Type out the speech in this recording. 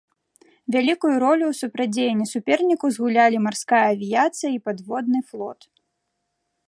Вялікую ролю ў супрацьдзеянні суперніку згулялі марская авіяцыя і падводны флот.